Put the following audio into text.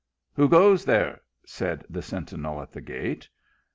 "Who goes there?" said the sentinel at the gate.